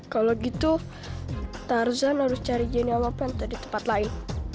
kalau gitu tarzan harus cari jenny sama penta di tempat lain